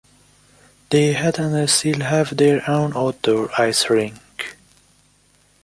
They had, and still have, their own outdoor ice rink.